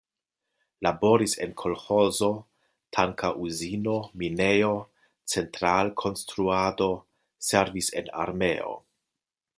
Laboris en kolĥozo, tanka uzino, minejo, central-konstruado, servis en armeo.